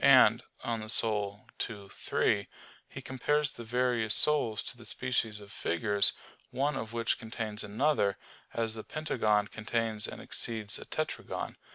And (De Anima ii, 3) he compares the various souls to the species of figures, one of which contains another; as a pentagon contains and exceeds a tetragon.